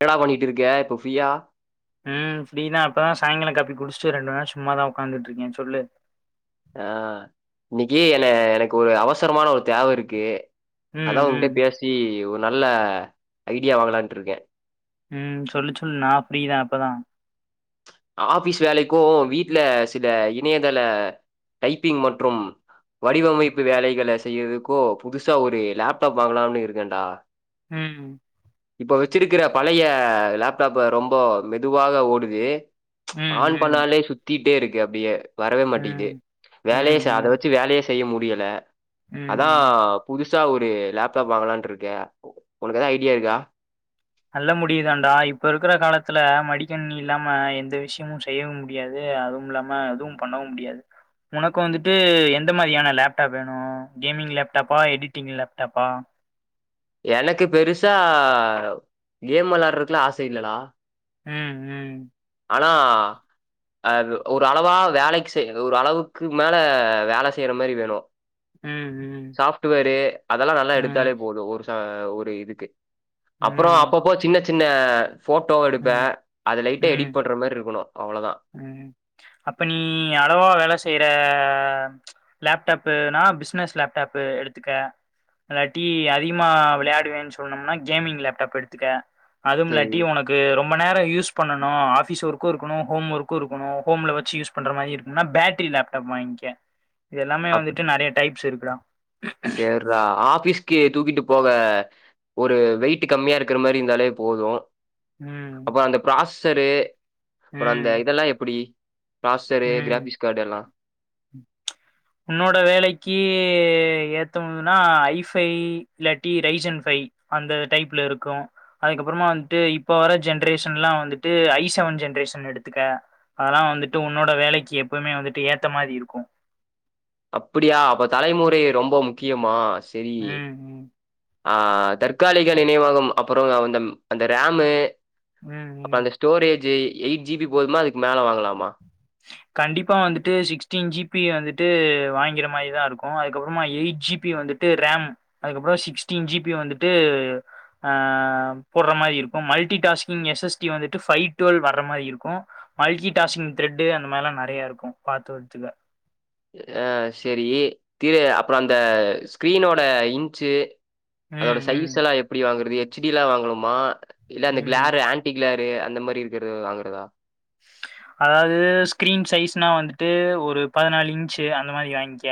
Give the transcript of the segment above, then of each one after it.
என்னடா பண்ணிட்டு இருக்க இப்ப ஃப்ரீயா ம் ஃப்ரீ தா இப்ப தா சாயங்கால காபி குடிச்சிட்டு ரெண்டு நாள் சும்மாதா உக்காந்துட்டு இருக்கே சொல்லு ஆ இன்னைக்கு என எனக்கு ஒரு அவசரமான ஒரு தேவ இருக்கு ம், அதா ம், உங்கிட்ட பேசி ஒரு நல்ல ஐடியா வாங்கலான்ட்டு இருக்கே ம் சொல்லு சொல்லு நா ஃப்ரீ தா இப்பதா ஆபீஸ் வேலைக்கும் வீட்ல சில இணையதள டைப்பிங் மற்றும் வடிவமைப்பு வேலைகள செய்யறதுக்கோ புதுசா ஒரு லேப்டாப் வாங்கலாம்னு இருக்கன்டா ம் இப்போ வச்சிருக்கிற பழைய லேப்டாப்ப ரொம்ப மெதுவாக ஓடுது ம், ம், ஆன் ம், பண்ணாலே சுத்திட்டே இருக்கு அப்டியே வரவே மாட்டேங்குது ம், வேலயே சா அத ம், வச்சி வேலயேஸ் செய்ய முடியல ம், ம். அதாப் புதுசா ஒரு லேப்டாப் வாங்கலான் இருக்கே உனக்கு ஏதாவது ஐடியா இருக்கா நல்ல முடிவுதான்டா இப்ப இருக்குற காலத்துல மடிக்கண்ணி இல்லாம எந்த விஷ்யமும் செய்யம் மு முடியாது அதுவு இல்லாம எதுவு பண்ணவு முடியாது உனக்கு வந்துட்டு எந்த மாறியான லேப்டாப் வேணு கேமிங் லேப்டாப்பா எடிட்டிங் லேப்டாப்பா எனக்கு பெருசா கேம் விளாடுறதுக்குலா ஆச இல்லடா ம் உம் ஆனா அது ஒரு அளவா வேலைக்கு செய் ஒரு அளவுக்கு மேல வேல செய்ற மாறி வேணு ம், ம், சாஃப்ட்வேரு அதெல்லா நல்லா ம், எடுத்தாலே போது ஒரு ச ஒரு இதுக்கு அப்ரோ ம், அப்பப்போ சின்ன சின்ன போட்டோ எடுப்பே ம், அது லைட்டா எடி ம், பண்ற மாறி இருக்கணு அவ்ளதா ம். அப்ப நீ அளவா வேல செய்ற லேப்டாப்புனா பிஸ்னெஸ் லேப்டாப்பு எடுத்துக்க இல்லாட்டி அதிகமா விளையாடுவேன்னு சொன்னம்னா கேமிங் லேப்டாப் எடுத்துக்க சரி அதுவுமில்லாட்டி உனக் க்கு ரொம்ப நேர யூஸ் பண்ணணு ஆஃபீஸ் ஒர்க்கு இருக்கணு ஹோம் ஒர்க்கு இருக்கணு ஹோம்ல வச்சி யூஸ் பண்ற மாரி இருக்கும்னா பேட்டரி லேப்டாப் வாங்கிக்க இது எல்லாமே வந்துட்டு நிறைய டைப்ஸ் இருக்குடா சேர் ட்ரா ஆபிஸ்க்கு தூக்கிட்டு போக ஒரு வெயிட் கம்மியா இருக்கற மாரி இருந்தாலே போது ம் அப்புற அந்த ப்ராஸ்சரு அப்புற அந்த ம் இதெல்லா எப்புடி ப்ராஸ்சரு கிராபிக்ஸ் கார்டு எல்லா ம் உன்னோட வேலைக்கி ஏத்தமுதுனா ஐஃபை இல்லாட்டி ரைஜன் ஃபை அந்த டைப்ல இருக்கு அதுக்கப்புறமா வந்துட்டு இப்ப வர ஜென்ரேஷன்லா வந்துட்டு ஐ செவன் ஜென்ரேஷன் எடுத்துக்க அதெல்லா வந்துட்டு உன்னோட வேலைக்கு எப்பவுமே வந்துட்டு ஏத்த மாறி இருக்கு அப்படியா அப்ப தலைமுறை ரொம்ப முக்கியமா சரி ம் ம் ஆ தற்காலிக நினைவகம் அப்புற அந்த அந்த ரமு ம் ம் ஸ்டோரேஜு எயிட் ஜிபி போதுமா அதுக்கு மேல வாங்கலாமா கண்டிப்பா வந்துட்டு சிக்ஸ்டீன் ஜிபி வந்துட்டு வாங்கிற மாரி தா இருக்கு அதுக்கப்புறமா எயிட் ஜிபி வந்துட் ட்டு ரேம் அதுக்கப்புற சிக்ஸ்டீன் ஜிபி வந்துட்டு ஆ போட்ற மாரி இருக்கு மல்டி டாஸ்கிங் எஸ்எஸ்டி வந்துட்டு ஃபைவ் டுவெல் வர்ற மாரி இருக்கு மல்டி டாஸ்கிங் த்ரெட் அந்த மாறிலா நெறைய இருக்கு பாத்து வத்துக்க ஆ சரி திரு அப்புற அந்த ஸ்கிரீனோட இன்ச்சு அதோட ம், ம், சைஸ் எல்லா எப்படி வாங்குறது எச்டிலா வாங்கணுமா இல்ல அந்த ம். கிளரு ஆன் வட்டிக்ளரு அந்த மாரி இருக்கிறது வாங்கறதா அ அதாவது ஸ்கிரீன் சைஸ்னா வந்துட்டு ஒரு பதினாலு இன்ச்சு அந்த மாரி வாங்கிக்க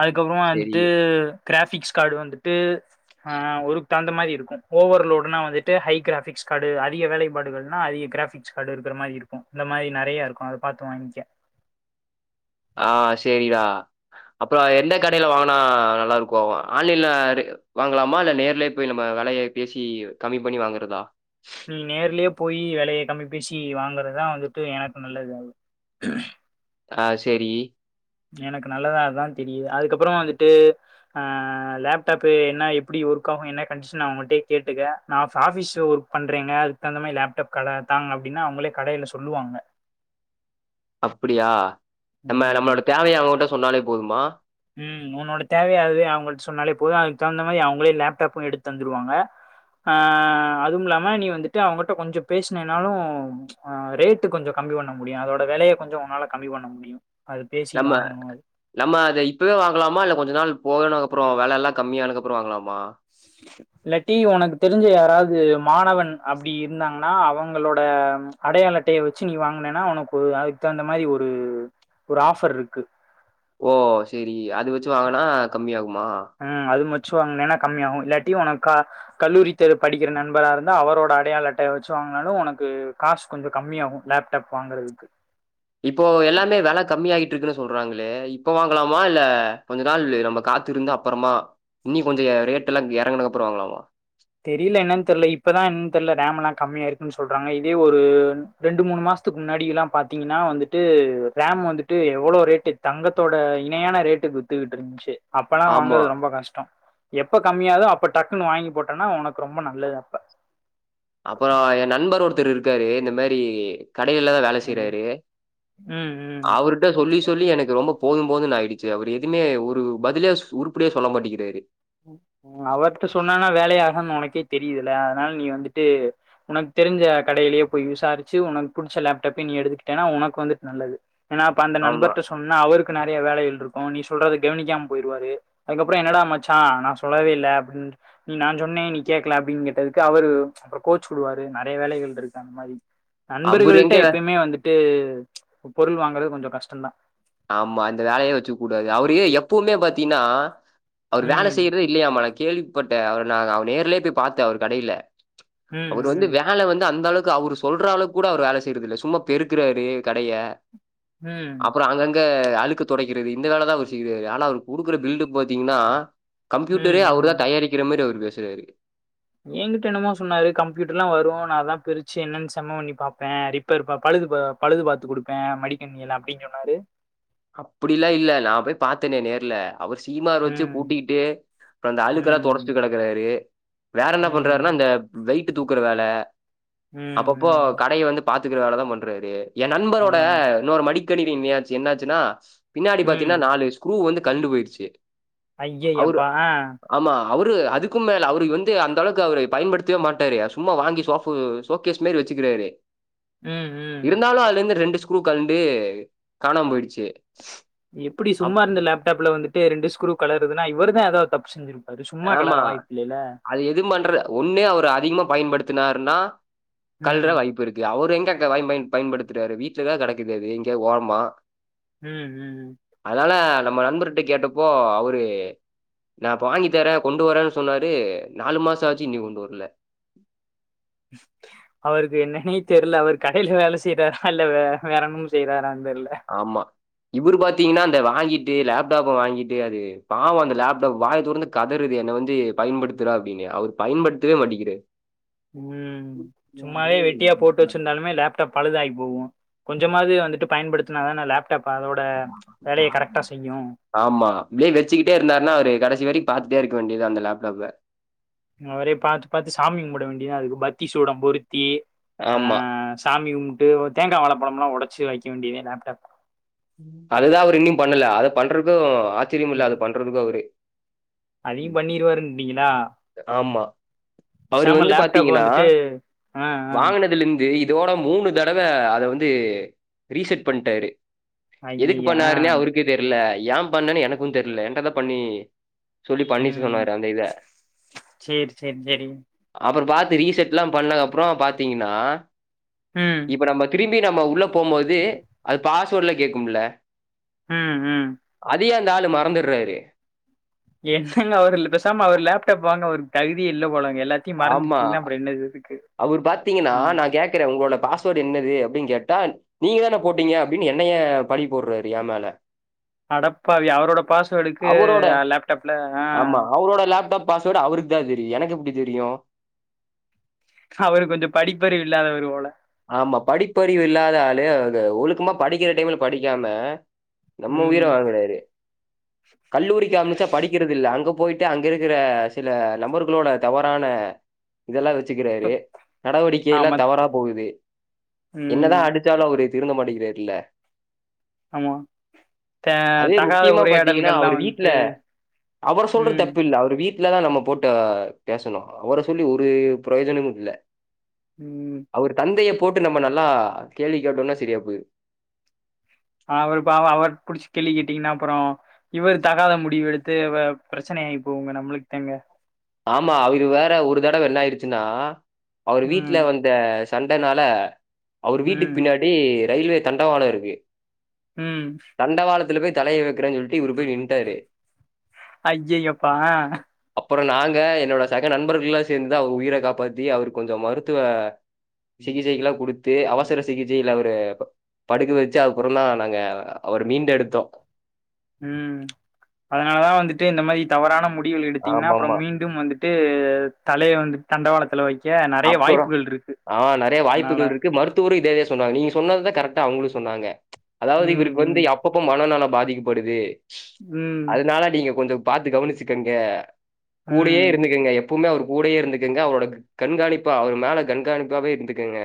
அதுக்கப்புறமா சரி. வந்துட்டு கிராஃபிக்ஸ் காடு வந்துட்டு அ ஒருக் தகுந்த மாரி இருக்கு ஓவர்லோடுனா வந்துட்டு ஹை கிராபிக்ஸ் காடு அதிக வேலைப்பாடுகள்னா அதிக கிராபிக் ஸ்காடு இருக்கற மாரி இருக்கு இந்த மாரி நெறைய இருக்கு அத பாத்து வாங்கிக ஆ சேரிடா அப்புற எந்த கடையில வாங்கினா நல்லா இருக்கு ஆன்லைன்ல வாங்கலாமா இல்ல நேர்ல போய் நம்ம வெலய பேசி கம்மி பண்ணி வாங்கறதா நீ நேர்லயே போயி வெலய கம்மி பேசி வாங்குறதா வந்துட்டு எனக்கு நல்லது ஆ செரி எனக்கு நல்லதாதா தெரியுது அதுக்கப்புற வந்துட்டு ஆ லேப்டாப்பு என்ன எப்டி ஒர்க் ஆகு என்ன கண்டிஷன் அவங்கட்டே கேட்டுக்க நா இப் ஆஃபிஸ் ஒர்க் பண்றீங்க அதுக்கு தகுந்த மாரி லேப்டாப் கட தாங் அப்டினா அவங்களே கடையில சொல்லுவாங்க அப்டியா நம்ம ம். நம்மளோட தேவைய அவங்கட்ட சொன்னாலே போதுமா ம் உன்னோட தேவையாவவே அவங்கள்ட சொன்னாலே போது அதுக்கு தகுந்த மாரி அவங்களே லேப்டாப்பு எடுத்து தந்துருவாங்க ஆ அதுவு இல்லாம நீ வந்துட்டு அவங்கட்ட கொஞ்ச பேசுனினாலு ஆ ரேட்டு கொஞ்ச கம்மி பண்ண முடியு அதோட வெலய கொஞ்ச உன்னால கம்மி பண்ண முடியு அத பேசி நம்ம வாங்கணு அது நம்ம அத இப்பவே வாங்கலாமா இல்ல கொஞ்ச நாள் போனுக்குப்புற வெல எல்லா கம்மியானதுக்கப்புற வாங்கலாமா இல்லட்டி ஒனக்கு தெரிஞ்ச யாராவது மாணவன் அப்டி இருந்தாங்கனா அவங்களோட அடையாள அட்டய வச்சு நீ வாங்குனனா ஒனக்கு அதுக்கு தகுந்த மாரி ஒரு ஒரு ஆஃபர் இருக்கு ஓ சரி அது வச்சு வாங்கனா கம்மி ஆகுமா ம் அது மச்சு வாங்குனினா கம்மியாகு இல்லாட்டி உனக்கா கல்லூரி தேவ படிக்கிற நண்பரா இருந்தா அவரோட அடையாள அட்டைய வச்சு வாங்குனாலு ஒனக்கு காசு கொஞ்ச கம்மியாகு லேப்டாப் வாங்கறதுக்கு இப்போ எல்லாமே வெல கம்மியா ஆகிட்றுக்குனு சொல்றாங்களே இப்ப வாங்கலாமா இல்ல கொஞ்ச நாள் நம்ம காத்துருந்து அப் அப்றமா இன்னி கொஞ்ச ரேட் எல்லா இறங்குன அப்றமா வாங்களாமா தெரியல என்னன் தெரில இப்பதா என்ன தெரில ரேம் எல்லா கம்மியா இருக்குன் சொல்றாங்க இதே ஒரு ரெண்டு மூணு மாசத்துக்கு முன்னாடில்லா பாத்தீங்கன்னா வந்துட்டு ரேம் வந்துட்டு எவ்ளோ ரேட்டு தங்கத்தோட இணையான ரேட்டுக்கு‌ வித்துக்கிட்டு இருந்துச்சு அப்பெல்லாம் ஆமா. வாங்றது ரொம்ப கஷ்டம் எப்ப கம்மியாவுதோ அப்ப டக்குன்னு வாங்கி போட்டேனா உனக்கு ரொம்ப நல்லது அப்ப அப்புறம் என் நண்பர் ஒருத்தர் இருக்காரு இந்த மாரி கடையில தான் வே ல ம் செய்றாரு ம் ம் அவருட் ட சொல்லி சொல்லி எனக்கு ரொம்ப போதும் போதுன்னு ஆயிடுச்சு அவர் எதுவுமே ஒரு பதிலே உருப்படியா சொல்ல மாட்டோங்கிறாரு அவர்ட சொன்னன்னா வேலையாகா ன்னு உனக்கே தெரியுதுல அதனால நீ வந்துட்டு உனக்கு தெரிஞ்ச கடையிலயே போய் விசாரிச்சு உனக்கு புடிச்ச லேப்டாப்பே நீ எடுத்துக்கிட்டேன்னா உனக்கு வந்துட்டு நல்லது ஏன்னா அப்ப அந்த ஆமா. நண்பர்ட சொ ன்னா அவருக்கு நறைய வேலைகள் இருக்கும் நீ சொல்றது கவனிக்காம போயிருவாரு அதுக்கப்புறம் என்னடா மச் ச்சா நான் சொல்லவே இல்லை அப்டின் நீ நான் சொன்னேன் நீ கேடக்கல அப்டின்னு கேட்டதுக்கு அவரு அப்புறம் கோச்சு கொடுவாரு நறைய வேலைகள் இருக்காங் மாரி அவரு நண்பர்கள்ட எங்க வே எப்பயுமே வந்துட்டு பொருள் வாங்கிறது கொஞ்சம் கஷ்டம்தான் ஆமா அந்த வேலையே வச்சுக்க கூடாது அவரு ஏ எப்பவுமே பாத்தீன்னா அவர் வேல ம் செய்யறதே இல்லயாமா நா‌ கேள்விப்பட்டேன் அவ நா நேர்லே போய் பாத்தே அவர் கடையில ம் அவர் வந்து ம் வே அதனால வந்து அந்த அளவுக்கு அவரு சொல்ற அளவுக்கு கூட அவர் வேல செய்யறது இல்ல சும்மா பெருக்குறாரு கடைய ம் அப்புறம் அங்கங் க அழுக்கு தொடைக்கிறது இந்த வேலை தா அவரு செய்வாரு ஆனா அவரு குடுக்குற பில்டுஅப் பாத்தீங்கன்னா ம் கம்பியூட்டரே அவர் ம் தான் தயாரிக்கிற மாரி அவர் பேசுவாரு ஏன்கிட்ட என்னமோ சொன்னாரு கம்பியூட்டர் லாம் வரும் ந அதலாம் பிரிச்சு என்னன்னு செம்ம பண்ணி பாபேன் அரி ரிப்பேர்‌ பா பழுது பழுது பாத்து கொடுப்பேன் மடிக்கனிணியெல்லாம் அப்டின்னு சொன்னாரு அப்டிலாம் இல்ல நா போய் பாத்தேனே நேர்ல அவர் சீமார் வச்சு ம் கூட்டிக்கிட்டே அந்த அழுக்கெல்லாம் தொடச்சிட்டு ம் கேடக்கிறாரு வேற என்ன பண்றாருன்னா ம் அந்த பெல்ட் டு தூக்குற வேலை ம் அப்பப்போ ம் கடைய வந்து பாத்துக்கிற வேலைதான் பண்றாரு என் நண்பரோட ம் இன்னொரு மடிக்கணிவின்யாச்சு என்னாச்சுன்னா பின்னாடி ம் பாத்தீங்கன்னா நாலு ஸ்க்ரூ வந்து கலண்டு போயிர்ச்சு ஐய்யெயப்பா ஆ ஆமா அவரு அதுக்கு மேல அவரு வந்து அந்த அளவுக்கு அவரு பயன்படுத்தவே மாட்டாருா சும்மா வாங்கி சோபு சோகேஷ் மாரி வச்சுக்கிறாரு ம் ம் இருந்தாலும் அதுல இருந்து ரெண்டு ஸ்க்ரூ கழண்டு காணாம போயிடுச்சு எப்டி அப் சும்மா இருந்த லேப்டாப்ல வந்துட்டு ரெண்டு ஸ்கரூ துனா இவருதா ஏதாவது தப்பு செஞ்சிருப் ஆமா அது எதும் பண்ற ஒன்னு அவர் அதிகமா பயன்படுத்தினருனா கல்ற ம் வாய்ப்பு இருக் அவரு எங்க பயன் பயன்டுத்துறாரு வீட்டுலதான் கிடைக்குது அது எங்க ஓரமா ம் ம் அதனால நம்ம நண்பர்ட கேட்டப்போ அவரு நான் இப்போ வாங்கித் தர்ரே கொண்டு வரன்னு சொன்னாரு நாலு மாசம் ஆச்சு இன்னியும் கொண்டு வரல அவருக்கு என்னனே தெரியல அவர் கடையிலா வேலை செய்றாரா இல்ல வே வேரனும் செய்றாரானும் தெரியல ஆமா இவரு பாத்தீங்கன்னா இந்த வாங்கிட்டு லேப்டாப்ப வாங்கிட்டு அது பாவம் அந்த லேப்டாப் வாய தொறந்து கதருது என்னை வந்து பயன்படுத்துறா அப்டின்னு அவரு பயன்படுத்தவே மட்டோங்கிறாரு ம் சும்மாவே வெட்டியா போட்டு வச்சிருந்தாலுமே லேப் டாப் பழுதாகி போகும் கொஞ்சமாது வந்துட்டு பயன்படுத்தினா தான லேப்டாப் அதோட இப்ப வேலைய கரெக்டா செய்யும் ஆமா இதே வச்சிக்கிட்டே இருந்தார்னா அவரு கடைசி வரைக்கும் பாத்துட்டே இருக்க வேண்டியதா அந்த லேப்டாப்பா அவரே பாத்து பாத்து சாமி கும்பட வேண்டியதா அதுக்கு பத்தி சூடம் பொருத்தி ஆ ஆமா சாமி கும்ப்ட்டு தேங்கா வாழப்பழம்லா உடைச்சு வைக்க வேண்டியதுதே லேப்டாப் அதுதா அவரு இன்னு பண்ணல அத பண்றதுக்கு ஆச்சரியம் இல்ல அது பண்றதுக்கு அவரு அதயு பண்ணிருவாருன்ட்டீங்களா ஆமா அவரு பேசாம வந்து லேப்டாப்ப பாத்தீங்கன்னா வந்துட்டு ஆ ஆ வாங்கனதுல இருந்து இத் இதோட மூணு தடவை அத வந்து ரீசெட் பண்ணிட்டாரு எதுக்கு ஐய்யய்ய ஆ பண்ணாருன்னே அவருக்கே தெரியல ஏ பண்ணன்னு எனக்கு தெரியல என்ட தா பண்ணி சொல்லி பண்ணி ம் சொன்னரு அந்த இத சேரி சேரி சேரி அப்புற பாத்து ரீசெட் எல்லா பண்ணதுக்கு அப்புறோ பாத்தீங்கன்னா ம் இப்ப நம்ம திரும்பி நம்ம உள்ள போம்போது அது பாஸ்வேர்ட்ல கேக்குமில்ல ம் ம் அதையே அந்த ஆள் மறந்துறாரு என்னங்க அவர் பேசமா அவர் லேப்டாப் வாங்க ஒரு தகுதியே இல்ல போலாங்க எல்லா ஆமா அவரு பாத்தீங்கன்னா ம் நா கேக்கறே உங்களோட பாஸ் என்னது அப்டின்னு கேட்டா நீங்க தான போட்டீங்க அப்டின்னு என்னய பழி போட்றாரு ஏ மேல அடப்பாவி அவரோட பாஸ்வேர்டுக்கு லேப்டாப்ல ஆ அவரடு லாப் டாப் பாஸ்வேர்டு அவருக்கு தா தெரியு எனக்கு எப்டி தெரியு அவரு கொஞ்சோ படிப்பறிவு இல்லாதவரு போல ஆமா படிப்பறிவு இல்லாத ஆளு அது ஒழுக்கமா படிக்கிற டைம்ல படிக்காம நம்ம ம் உயிர வாங்குறாரு கல்லூரிக்கு அமிச்சா படிக்கறதுல்ல அங்க போயிட்டு அங்க இருக்கற சில நம்பர்களோட தவறான இதெல்லா வெச்சுக்கறாரு நடவடிக்கை எல்லா ஆமா தவறா போகுது என்னதா ம் அடிச்சாலு அவரு திருந்த மாட்டிக்கிறார்ல்ல ஆமா த அதுவே தகாத முக்கியமா பாத்தீங்கன்னா உரையாடல்கள்லா அவரு வீட்ல வந்துட்டு அவர சொல்ற ம் தப்பு இல்ல அவரு வீட் லதா நம்ம போட்டு பேசணு அவர சொல்லி ஒரு பிரயோஜனமு இல்ல ம் தந்தய போட்டு நம்ம நல்லா கேள்வி கேட்டோன்னா சரியா போய்ரு அவரு பாவோ அவர் புடிச்சு கேள்வி கேட்டீங்கன்னா அப்றோ இவரு தகாத முடிவெடுத்து பிரச்சனை ஆகி போகுங்க நம்மளுக்தாங்க ஆமா அவிரு வேற ஒரு தடவ என்னாயிருச்சுன்னா அவரு வீட்ல ம் வந்து இந்த சண்டனால அவர் வீட்டுக் ம் பின்னாடி ரயில்வே தண்டவாளோ இருக்கு ம் தண்டவாலத்துல போய் தலைய வைக்கிறேன் சொல்ட்டு இவரு போய் நிண்ட்டாரு ஐயையோ அப்பா அப்பறோ நாங்க என்னோட சக நண்பர்கள்லா சேந்துதா அவர் உயிர காப்பாத்தி அவரு கொஞ்சோ மருத்துவ சிகிச்சைக்குலா குடுத்து அவசர சிகிச்சையில அவரு படுக்க வெச்சு அப்பறோதா நாங்க அவர மீண்டு எடுத்தோ ம் அதனாலதா வந்துட்டு இந்த மாரி தவறான முடிவுகள் எடுத்தீங்கன்னா அப்பறம் ஆமாமா. ம் டும் வந்துட்டு தலைய வந்துட்டு தண்டவாளத்துல வைக்க நெறைய அப்றோ வாய்ப்புகள் இருக்கு ஆ நெறைய அதனால வாய்ப்புகள் இருக்கு மருத் துரு இதேத சொன்னாங்க நீங்க சொன்னததா கரெக்டா அவங்களு சொன்னாங்க அதாவது ம் இவருக்கு வந்து ம் அ அப்பப்ப மனம் நல பாதிக்கப்படுது ம் அதனால நீங்க கொஞ்சோ பாத்து கவனுச்சுக்கங்க கூடயே ம் இருந்துக்கங்க எப்பவுமே அவரு கூடயே இருந்துக்கங்க அவரோட கண்காணிப்பா அவர் மேல கண்காணிப்பாவே இருந்துக்குங்க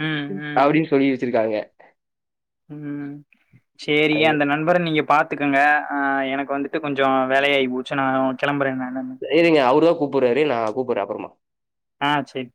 ம் ம் அப்டின்னு சொல்லி வெச்சிருக்காங்க ம் அது சேரிய அந்த நெனப் நண்பர நீங்க பாத்துக்கங்க ஆ எனக்கு வந்துட்டு கொஞ்சோ வேலையாகி போச்சு நா கெளம்பறே நான்னு இருங்க அவரு தா கூப்புறாரு நா கூப்புறே அப்பறமா ஆ சேரி